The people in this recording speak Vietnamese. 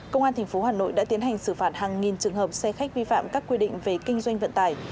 công an tp hà nội đã tiến hành xử phạt hàng nghìn trường hợp xe khách vi phạm các quy định về kinh doanh vận tải